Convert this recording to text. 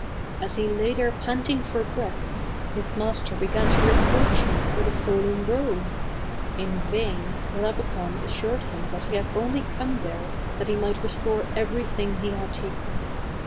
As he lay there panting for breath, his master began to reproach him for the stolen robe. In vain Labakan assured him that he had only come there that he might restore everything he had taken.